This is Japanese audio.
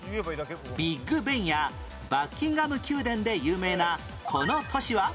ビッグベンやバッキンガム宮殿で有名なこの都市は？